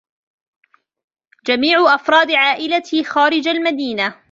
جميع أفراد عائلتي خارج المدينة.